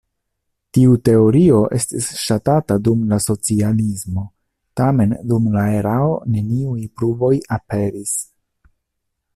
Tiu teorio estis ŝatata dum la socialismo, tamen dum la erao neniuj pruvoj aperis.